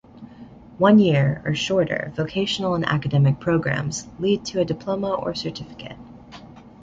One-year, or shorter, vocational and academic programs lead to a diploma or certificate.